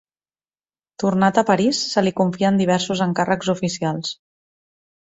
Tornat a París, se li confien diversos encàrrecs oficials.